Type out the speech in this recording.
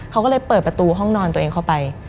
เขาก็เลยเปิดประตูห้องนอนตัวเองเข้าไป